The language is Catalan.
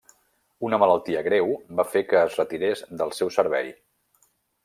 Una malaltia greu va fer que es retirés del seu servei.